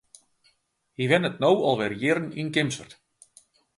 Hy wennet no al wer jierren yn Kimswert.